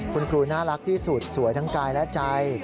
คุณครูน่ารักที่สุดสวยทั้งกายและใจ